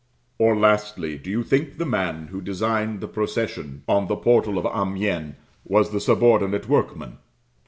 Or, lastly, do you think the man who designed the procession on the portal of Amiens was the subordinate workman?